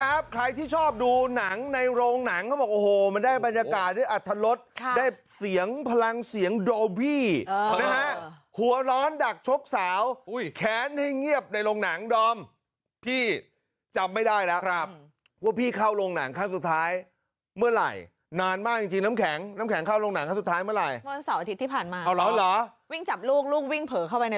ครับใครที่ชอบดูหนังในโรงหนังก็บอกโอ้โหมันได้บรรยากาศด้วยอัตรรศได้เสียงพลังเสียงโดบี้หัวร้อนดักชกสาวแขนให้เงียบในโรงหนังดอมพี่จำไม่ได้แล้วครับว่าพี่เข้าโรงหนังขั้นสุดท้ายเมื่อไหร่นานมาจริงจริงน้ำแข็งน้ำแข็งเข้าโรงหนังขั้นสุดท้ายเมื่อไหร่วันเสาร์อาทิตย์ที่ผ่านมา